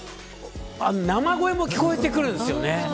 生声も聞こえてくるんですよね。